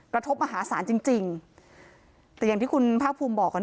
กระทบมหาศาลจริงจริงแต่อย่างที่คุณภาคภูมิบอกกัน